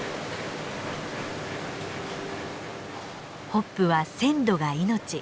ホップは鮮度が命。